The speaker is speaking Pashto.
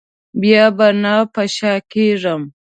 بیا به نه په شا کېږم.